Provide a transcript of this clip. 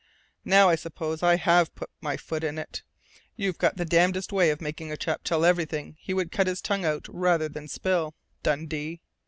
"Now I suppose I have put my foot in it! You've got the damnedest way of making a chap tell everything he would cut his tongue out rather than spill, Dundee!